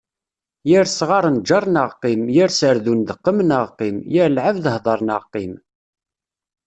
Yir sɣar, njer neɣ qqim. Yir serdun, deqqem neɣ qqim. Yir lɛebd, hder neɣ qqim.